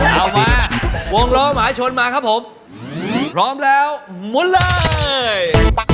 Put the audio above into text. เอามาวงล้อหมาชนมาครับผมพร้อมแล้วหมุนเลย